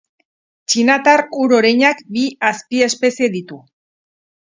Txinatar ur-oreinak bi azpiespezie ditu.